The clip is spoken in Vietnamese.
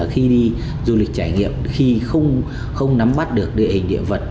khi đi du lịch trải nghiệm khi không nắm bắt được địa hình địa vật